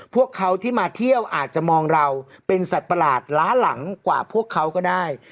พวกเขาที่มาเที่ยวอาจจะมองเราเป็นสัตว์ประหลาดล้าหลังกว่าพวกเขาก็ได้